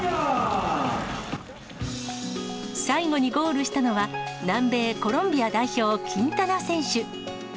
最後にゴールしたのは、南米コロンビア代表、キンタナ選手。